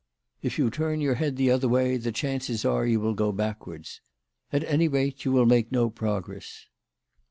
If you turn your head the other way, the chances are you will go backwards. At any rate you will make no progress."